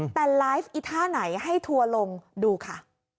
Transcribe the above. แต่ไลฟ์อีท่าไหนให้ทัวร์ลงดูค่ะ